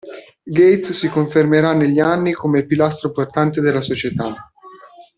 Gates si confermerà negli anni come il pilastro portante della società.